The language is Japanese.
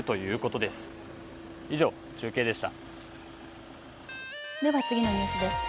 では次のニュースです。